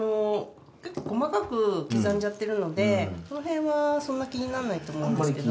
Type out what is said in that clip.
結構細かく刻んじゃってるのでその辺はそんな気にならないと思います。